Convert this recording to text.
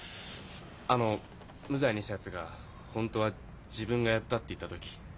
あの無罪にしたやつが「本当は自分がやった」って言った時。